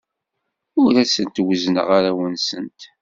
Ur asent-wezzneɣ arraw-nsent.